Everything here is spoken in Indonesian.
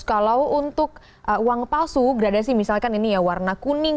kalau untuk uang palsu gradasi misalkan ini ya warna kuning